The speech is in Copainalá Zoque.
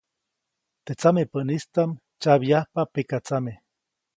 Teʼ tsamepäʼnistaʼm tsyabyajpa pekatsame.